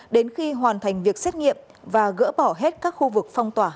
đến khi hoàn thành việc xét nghiệm và gỡ bỏ hết các khu vực phong tỏa